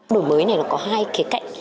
đổi mới này có hai cái cạnh